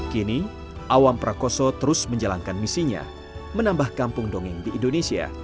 kini awam prakoso terus menjalankan misinya menambah kampung dongeng di indonesia